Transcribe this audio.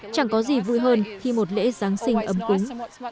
chẳng có gì vui hơn khi một lễ giáng sinh ấm cúng